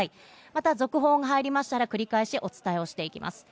また続報が入りましたら繰り返しお伝えしていきます。